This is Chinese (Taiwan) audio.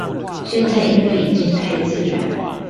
現在因為已經太自然